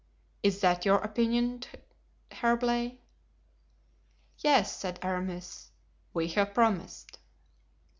Is that your opinion, D'Herblay?" "Yes," said Aramis, "we have promised."